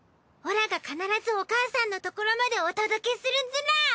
オラが必ずお母さんのところまでお届けするズラ。